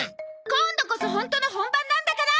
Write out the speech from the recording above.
今度こそホントの本番なんだから！